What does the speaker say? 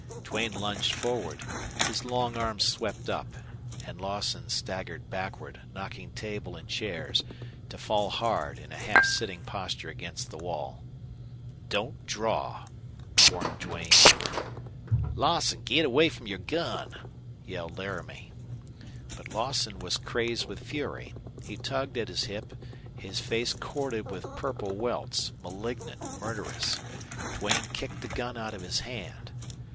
Duane lunged forward. His long arm swept up. And Lawson staggered backward, knocking table and chairs, to fall hard, in a half sitting posture against the wall. "Don't draw!" warned Duane. "Lawson, git away from your gun!" yelled Laramie. But Lawson was crazed with fury. He tugged at his hip, his face corded with purple welts, malignant, murderous. Duane kicked the gun out of his hand.